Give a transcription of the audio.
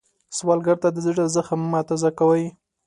سوالګر ته د زړه زخم مه تازه کوئ